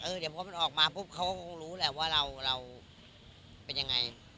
เดี๋ยวพอมันออกมาปุ๊บเขาก็คงรู้แหละว่าเราเป็นยังไง